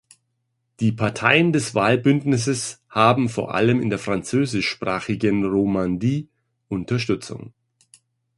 Die Parteien des Wahlbündnisses haben vor allem in der französischsprachigen Romandie Unterstützung.